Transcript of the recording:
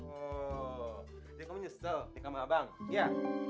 oh jadi kamu nyesel ikan sama abang iya